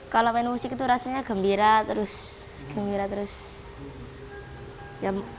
kalau main musik itu rasanya gembira